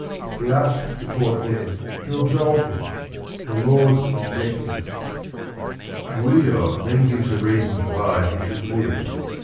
He asks the court then to absolve him, the "law's executant." Guido then gives the reasons why he should live.